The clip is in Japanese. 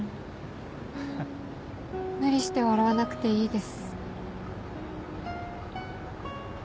無理して笑わなくていいです。